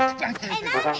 えっなんで？